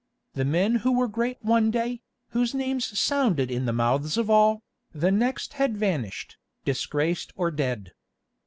The men who were great one day, whose names sounded in the mouths of all, the next had vanished, disgraced or dead.